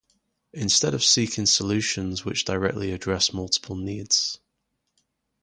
Instead of seeking solutions which directly address multiple needs.